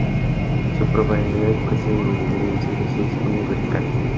Su popularidad procedía de dividir el cielo en seis cuñas verticales.